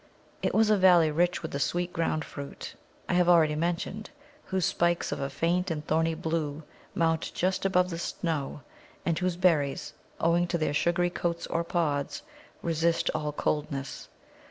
It was a valley rich with the sweet ground fruit I have already mentioned, whose spikes of a faint and thorny blue mount just above the snow, and whose berries, owing to their sugary coats or pods, resist all coldness.